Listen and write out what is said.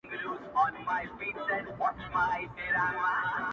هغه خو دا خبري پټي ساتي,